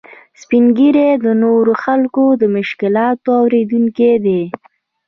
سپین ږیری د نورو خلکو د مشکلاتو اورېدونکي دي